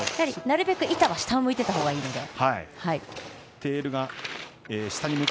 なるべく板は下を向いていたほうがいいので。